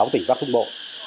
sáu tỉnh bắc trung bộ